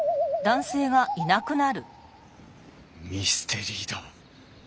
ミステリーだ。